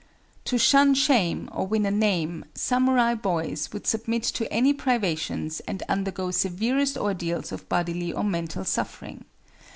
To shun shame or win a name, samurai boys would submit to any privations and undergo severest ordeals of bodily or mental suffering.